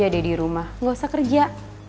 ada dirumah gak usah kerja